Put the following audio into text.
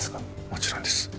もちろんです。